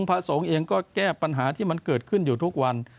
พระสงฆ์เองก็แก้ปัญหาที่มันเกิดขึ้นอยู่ทุกวัน